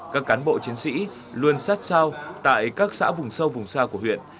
các cán bộ chiến sĩ luôn sát sao tại các xã vùng sâu vùng xa của huyện